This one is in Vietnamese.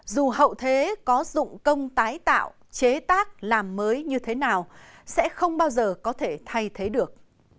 dù hậu thế có dụng công tái tạo chế tác làm mới như thế nào sẽ không bao giờ có thể thay thế được